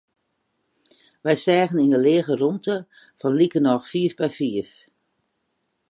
Wy seagen yn in lege rûmte fan likernôch fiif by fiif.